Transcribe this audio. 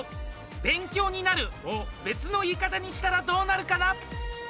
勉強になるを別の言い方にしたらどうなるかな。